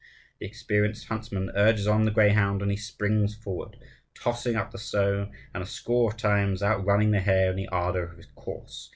The experienced huntsman urges on the greyhound, and he springs forward, tossing up the snow, and a score of times outrunning the hare, in the ardour of his course.